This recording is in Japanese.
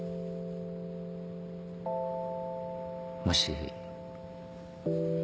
もし。